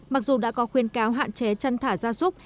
mặc dù đã có khuyên cáo hạn chế chăn thả ra súc